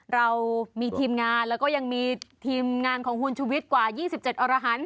เรามีทีมงานแล้วก็ยังมีทีมงานของคุณชุวิตกว่า๒๗อรหันต์